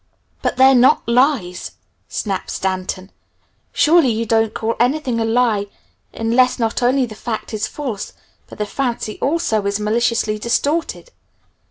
"But they're not lies!" snapped Stanton. "Surely you don't call anything a lie unless not only the fact is false, but the fancy, also, is maliciously distorted!